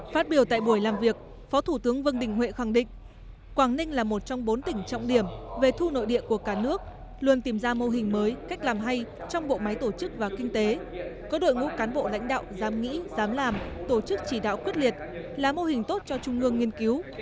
phát biểu tại buổi làm việc phó thủ tướng vương đình huệ khẳng định quảng ninh là một trong bốn tỉnh trọng điểm về thu nội địa của cả nước luôn tìm ra mô hình mới cách làm hay trong bộ máy tổ chức và kinh tế có đội ngũ cán bộ lãnh đạo dám nghĩ dám làm tổ chức chỉ đạo quyết liệt là mô hình tốt cho trung ương nghiên cứu